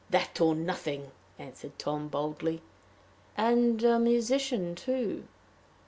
"That or nothing," answered Tom, boldly. "And a musician, too?"